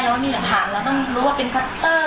ว่ามีหลักฐานเราต้องรู้ว่าเป็นคัตเตอร์